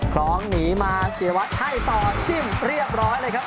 คล้องหนีมาเสียวัตรให้ต่อจิ้มเรียบร้อยเลยครับ